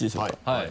はい。